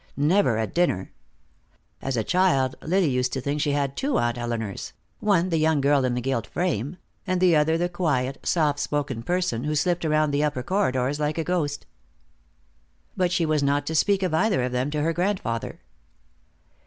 Never at dinner. As a child Lily used to think she had two Aunt Elinors, one the young girl in the gilt frame, and the other the quiet, soft voiced person who slipped around the upper corridors like a ghost. But she was not to speak of either of them to her grandfather.